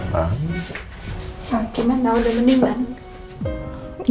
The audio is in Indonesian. pak gimana udah mending kan